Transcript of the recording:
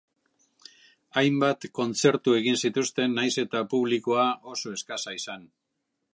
Hainbat kontzertu egin zituzten nahiz eta publikoa oso eskasa izan.